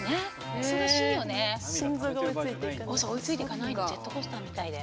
追いついていかないのジェットコースターみたいで。